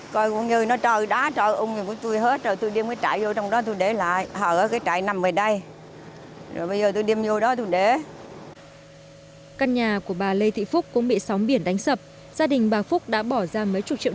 căn nhà của bà lê thị phúc cũng bị sóng biển đánh sập gia đình bà phúc đã bỏ ra mấy chục triệu